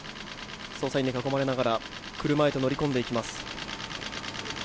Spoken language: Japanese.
捜査員に囲まれながら車へと乗り込んでいきます。